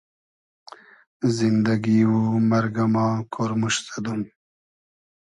زیندئگی و مئرگۂ ما کۉرموشت زئدوم